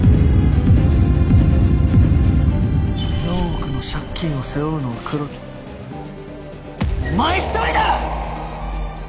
４億の借金を背負うのはクロキお前１人だ！